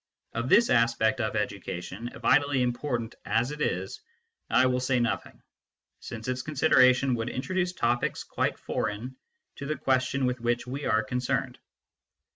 Of this aspect of education, vitally important as it is, I will say nothing, since its consideration would introduce topics quite foreign to the question with which we are concerned.